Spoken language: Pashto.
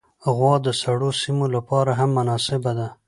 غوا د سړو سیمو لپاره هم مناسبه ده.